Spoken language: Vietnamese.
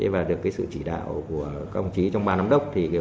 và được cái sự chỉ đạo của công chí trong ban lãm đốc